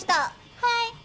はい！